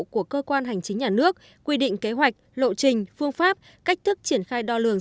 của cơ quan hành chính nhà nước quy định kế hoạch lộ trình phương pháp cách thức triển khai đo lường